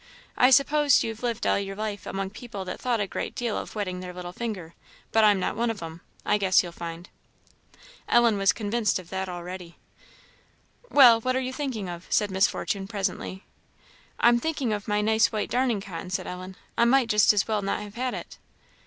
I suppose you've lived all your life among people that thought a great deal of wetting their little finger! but I'm not one of 'em, I guess you'll find." Ellen was convinced of that already. "Well, what are you thinking of?" said Miss Fortune, presently. "I'm thinking of my nice white darning cotton," said Ellen. "I might just as well not have had it."